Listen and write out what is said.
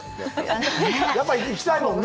やっぱり行きたいもんね。